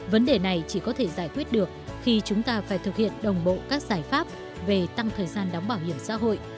vấn đề này chỉ có thể giải quyết được khi chúng ta phải thực hiện đồng bộ các giải pháp về tăng thời gian đóng bảo hiểm xã hội